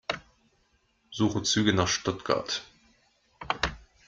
Suche Züge nach Stuttgart.